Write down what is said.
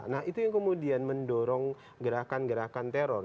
nah itu yang kemudian mendorong gerakan gerakan teror